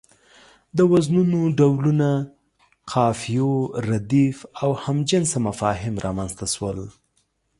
د وزنونو ډولونه، قافيو، رديف او هم جنسه مفاهيم رامنځ ته شول.